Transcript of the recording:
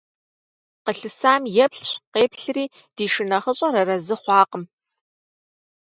Къылъысам еплъщ-къеплъри, ди шынэхъыщӀэр арэзы хъуакъым.